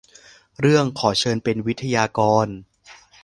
เรื่อง ขอเชิญเป็นวิทยากร